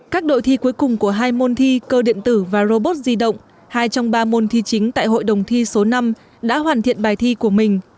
các đội thi cuối cùng của hai môn thi cơ điện tử và robot di động hai trong ba môn thi chính tại hội đồng thi số năm đã hoàn thiện bài thi của mình